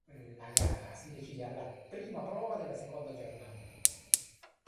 La gara si decide alla prima prova della seconda giornata.